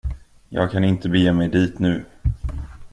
Jag kan inte bege mig dit nu!